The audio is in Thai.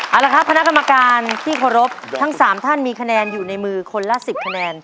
เอาละครับคณะกรรมการที่เคารพทั้ง๓ท่านมีคะแนนอยู่ในมือคนละ๑๐คะแนน